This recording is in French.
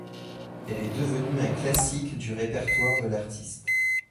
Elle est devenue un classique du répertoire de l'artiste.